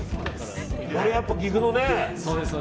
これ、やっぱり岐阜のね。